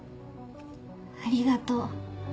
ありがとう